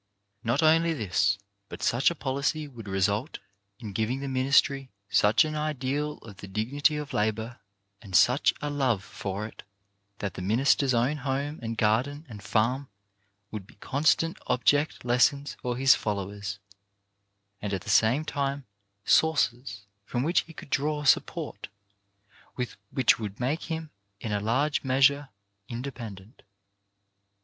Not only this, but such a policy would result in giving the ministry such an ideal of the dignity of labour and such a love for it, that the minister's own home and garden and farm would be con stant object lessons for his followers, and at the same time sources from which he could draw a support which would make him in a large measure independent.